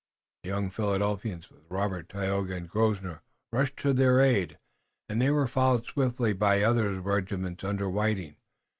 The young Philadelphians, with Robert, Tayoga and Grosvenor, rushed to their aid, and they were followed swiftly by the other regiment under Whiting.